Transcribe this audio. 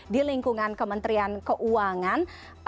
di lingkungan kementerian keuangan